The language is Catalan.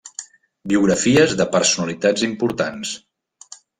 Biografies de personalitats importants.